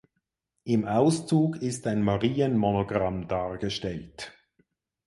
Im Auszug ist ein Marienmonogramm dargestellt.